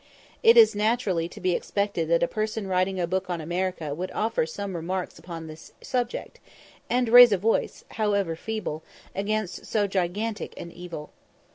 It is naturally to be expected that a person writing a book on America would offer some remarks upon this subject, and raise a voice, however feeble, against so gigantic an evil.